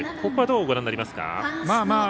ここはどうご覧になりますか。